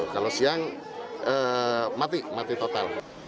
kalau siang mati mati total